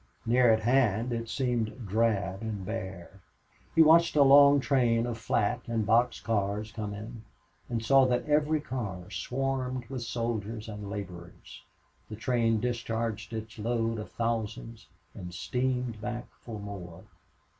Near at hand it seemed drab and bare. He watched a long train of flat and box cars come in, and saw that every car swarmed with soldiers and laborers. The train discharged its load of thousands, and steamed back for more.